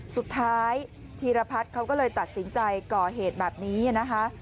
สุดท้ายธีรพัฒน์เขาก็เลยตัดสินใจก่อเหตุแบบนี้นะคะ